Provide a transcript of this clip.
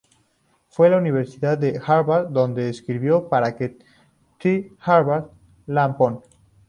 Fue a la Universidad de Harvard, donde escribió para The Harvard Lampoon.